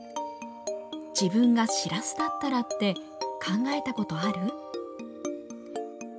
自分がしらすだったらって、考えたことある？